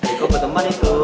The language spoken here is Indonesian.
eh kok berteman itu